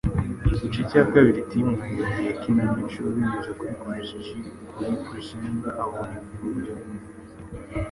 igice cya kabiri Tim yahinduye ikinamico binyuze kuri Chris G kuri Chris M, avunika iburyo.